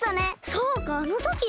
そうかあのときの！